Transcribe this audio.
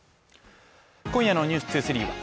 今夜の「ｎｅｗｓ２３」は